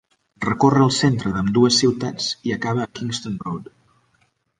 Recorre el centre d'ambdues ciutats i acaba a Kingston Road.